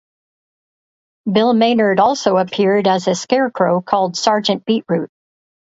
Bill Maynard also appeared as a scarecrow called Sergeant Beetroot.